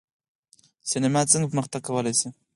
سینما څنګه پرمختګ کولی شي؟